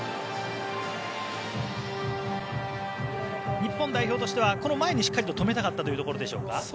日本代表としてはこの前にしっかり止めたかったというところでしょうか。